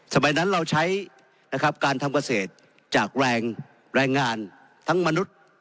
สมัยนั้นเราใช้นะครับการทำเกษตรจากแรงงานทั้งมนุษย์